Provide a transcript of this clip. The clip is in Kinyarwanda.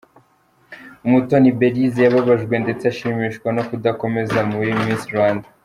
Umutoni Belise yababajwe ndetse ashimishwa no kudakomeza muri Miss Rwanda.